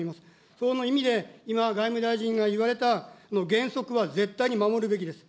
その意味で今、外務大臣が言われた原則は絶対に守るべきです。